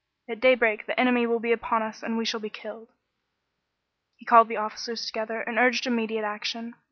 At daybreak the enemy will be upon us and we shall be killed." He called the officers together ; he urged im mediate action.